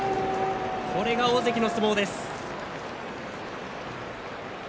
これが大関の相撲です。